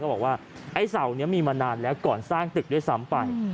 บอกว่าไอ้เสานี้มีมานานแล้วก่อนสร้างตึกด้วยซ้ำไป